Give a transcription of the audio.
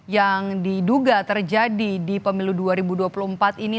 yang diduga terjadi di pemilu dua ribu dua puluh empat ini